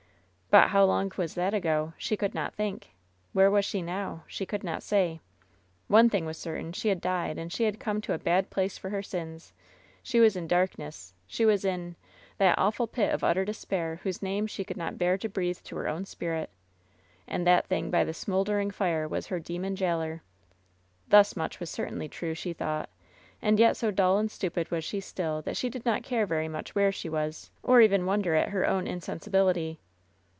But how long was that ago ? She could not think. Where was she now ? She could not say. Only one thing was certain. She had died, and she had come to a bad place for her sins. She was in darkness. She was in — ^that awful pit of utter despair whose name she could not bear to breathe to her own' spirit. And that thing by the smoldering fire was her demon jailer I Thus much was certainly true, she thought. And yet so dull and stupid was she still that she did not care very much where she was, or even wonder at her own insensibility.